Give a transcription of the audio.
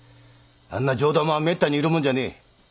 あんな上玉はめったにいるもんじゃねえ。